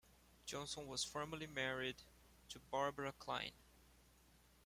Johnson was formerly married to Barbara Kline.